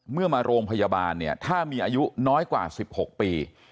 มาโรงพยาบาลเนี่ยถ้ามีอายุน้อยกว่า๑๖ปี